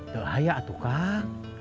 delaya tuh kang